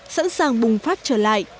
sẵn sàng bùng phát trở lại